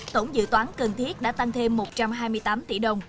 tổng dự toán cần thiết đã tăng thêm một trăm hai mươi tám tỷ đồng